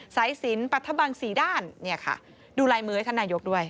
สายสินปรัฒนบังสี่ด้านดูลายมือให้ท่านนายกด้วย